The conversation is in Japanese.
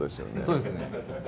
そうですね